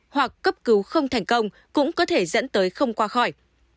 hoặc cấp cứu không thành công cũng có thể dẫn tới không qua khỏi